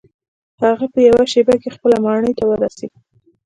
هغه په یوه شیبه کې خپلې ماڼۍ ته ورسید.